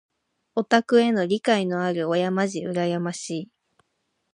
オタクへの理解のある親まじ羨ましい。